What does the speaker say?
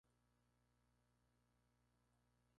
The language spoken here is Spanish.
Pero de estos, el "Pioneer" y "Bayou St.